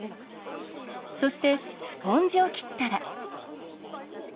そして、スポンジを切ったら。